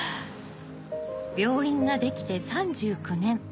病院ができて３９年。